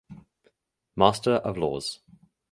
Master of Laws.